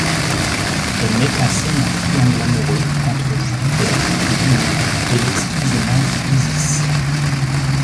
Elle met en scène un triangle amoureux entre Jupiter, Junon et l’exquise nymphe Isis.